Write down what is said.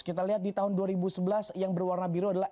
kita lihat di tahun dua ribu sebelas yang berwarna biru adalah